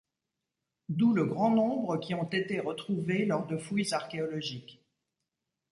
D'où le grand nombre qui ont été retrouvés lors de fouilles archéologiques.